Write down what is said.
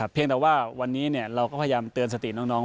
เพียงแต่ว่าวันนี้เราก็พยายามเตือนสติน้อง